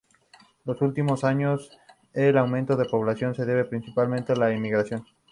En los últimos años el aumento de población se debe principalmente a la inmigración.